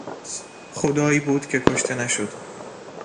خدایی بود که کشته نشد!